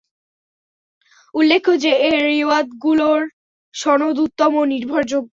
উল্লেখ্য যে, এ রিওয়ায়েতগুলোর সনদ উত্তম ও নির্ভরযোগ্য।